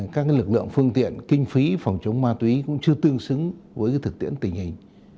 các lực lượng phương tiện kinh phí phòng chống ma túy cũng chưa tương xứng với thực tiễn tình hình